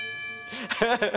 ハハハハ。